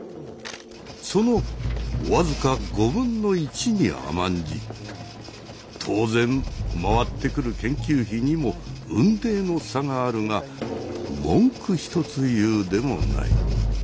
その僅か５分の１に甘んじ当然回ってくる研究費にも雲泥の差があるが文句一つ言うでもない。